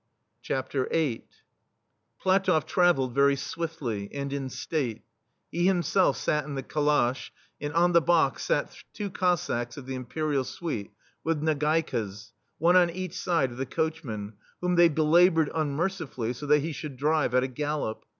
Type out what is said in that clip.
THE STEEL FLEA VIII Platoff travelled very swiftly, and in state: he himself sat in the calash, and on the box sat two Cossacks of the Imperial Suite* with nagaiiasy'f one on each side of the coachman, whom they belabored unmercifully, so that he should drive at a gallop.